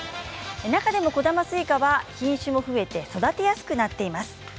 中でも小玉スイカは品種も増えて育てやすくなっています。